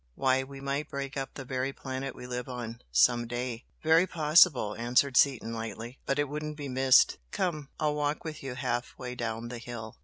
Why, we might break up the very planet we live on, some day!" "Very possible!" answered Seaton, lightly "But it wouldn't be missed! Come, I'll walk with you half way down the hill."